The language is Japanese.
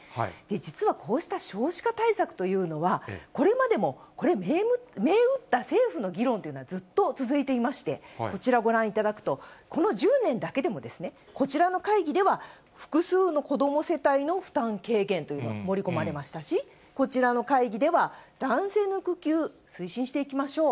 実はこうした少子化対策というのは、これまでも、これ、銘打った政府の議論というのはずっと続いていまして、こちらご覧いただくと、この１０年だけでも、こちらの会議では、複数の子ども世帯の負担軽減というのが盛り込まれましたし、こちらの会議では、男性の育休、推進していきましょう。